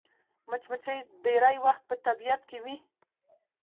مچمچۍ ډېری وخت په طبیعت کې وي